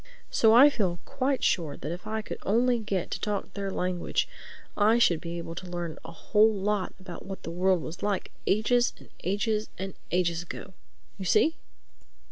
So I feel quite sure that if I could only get to talk their language, I should be able to learn a whole lot about what the world was like ages and ages and ages ago. You see?"